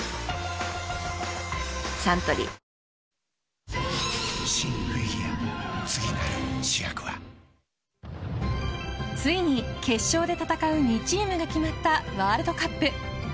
サントリーついに決勝で戦う２チームが決まったワールドカップ。